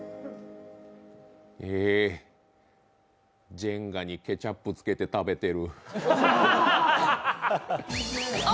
ジェンガにケチャップつけて食べてる。